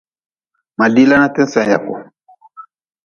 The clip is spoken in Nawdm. Ma dila na ti-n sen yaku.